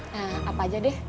nah apa aja deh